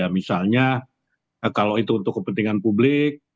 misalnya kalau itu untuk kepentingan publik